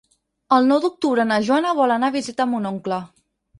El nou d'octubre na Joana vol anar a visitar mon oncle.